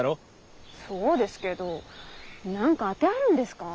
そうですけど何か「あて」あるんですかぁ？